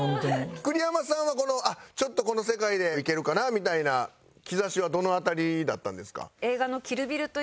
栗山さんはこのちょっとこの世界でいけるかなみたいな兆しはどの辺りだったんですか？